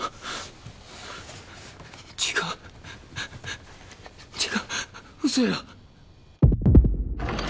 違う違う嘘や！